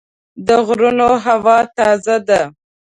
د غرونو هوا تازه ده.